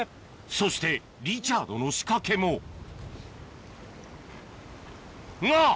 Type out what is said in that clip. そしてリチャードの仕掛けもが！